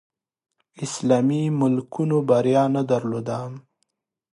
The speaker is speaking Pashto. اسلامي ملکونو بریا نه درلوده